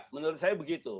menurut saya begitu